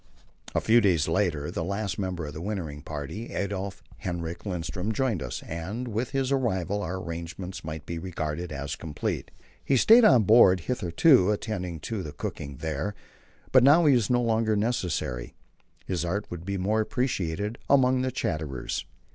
A few days later the last member of the wintering party Adolf Henrik Lindström joined us, and with his arrival our arrangements might be regarded as complete. He had stayed on board hitherto, attending to the cooking there, but now he was no longer necessary. His art would be more appreciated among the "chatterers."